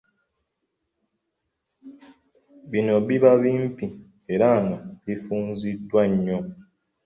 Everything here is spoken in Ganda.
Bino biba bimpi era nga bifunziddwa nnyo.